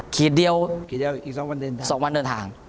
ขีดเดียว๒วันเดินทาง